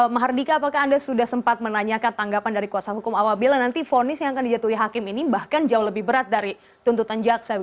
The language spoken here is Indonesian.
mahardika apakah anda sudah sempat menanyakan tanggapan dari kuasa hukum awal bila nanti vonis yang akan dijatuhi hakim ini bahkan jauh lebih berat dari tuntutan jaksa